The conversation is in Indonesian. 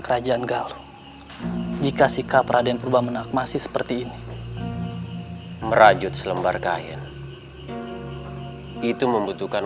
kerajaan galuh jika sikap raden pumanak masih seperti ini merajut selembar kain itu membutuhkan